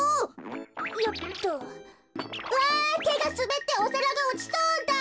わてがすべっておさらがおちそうだ！